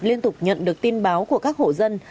liên tục nhận được tin báo của các hộ dân